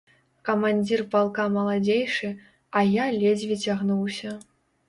Камандзір палка маладзейшы, а я ледзьве цягнуўся.